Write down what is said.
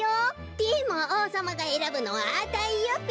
でもおうさまがえらぶのはあたいよべ！